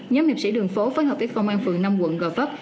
nhóm hiệp sĩ đường phố phối hợp với công an phường năm quận gò vấp